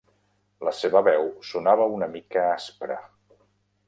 La seva veu sonava una mica aspra.